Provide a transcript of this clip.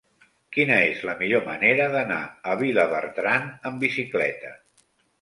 Quina és la millor manera d'anar a Vilabertran amb bicicleta?